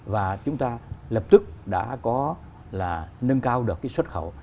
và chúng ta lập tức đã có là nâng cao được cái xuất khẩu